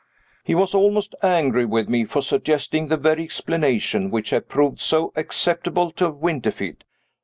He was almost angry with me for suggesting the very explanation which had proved so acceptable to Winterfield.